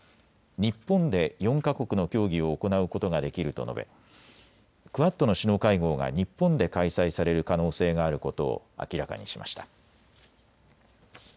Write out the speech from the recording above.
日本で４か国の協議を行うことができると述べクアッドの首脳会合が日本で開催される可能性があることを明らかにしました。